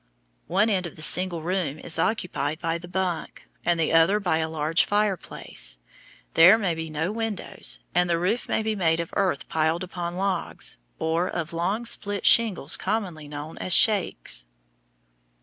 One end of the single room is occupied by the bunk, and the other by a large fireplace. There may be no windows, and the roof may be made of earth piled upon logs, or of long split shingles commonly known as shakes.